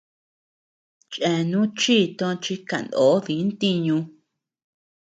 Cheanú chi tochi kanó dii ntiñu.